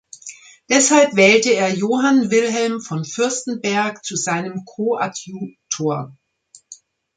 Deshalb wählte er Johann Wilhelm von Fürstenberg zu seinem Koadjutor.